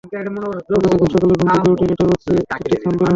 হঠাৎ একদিন সকালে ঘুম থেকে জেগে লেটার বক্সে একটি খাম পেলাম।